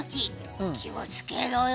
気をつけろよ。